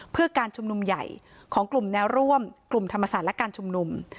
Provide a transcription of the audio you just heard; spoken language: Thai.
เพื่อการชุมนุมใหญ่ของกลุ่มแนวร่วมกลุ่มธรรมศาสตร์และการชุมนุม